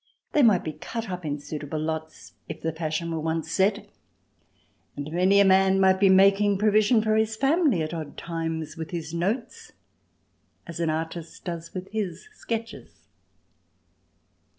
They might be cut up in suitable lots, if the fashion were once set, and many a man might be making provision for his family at odd times with his notes as an artist does with his sketches.